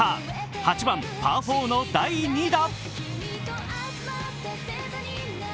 ８番パー４の第２打。